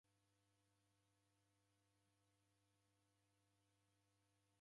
Nikuredie nguw'o rapo kunikabie pasi ?